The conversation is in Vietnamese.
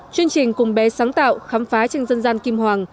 chương trình cùng bé sáng tạo khám phá tranh dân gian kim hoàng